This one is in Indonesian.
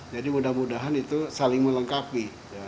jadi mudah mudahan itu saling melengkapi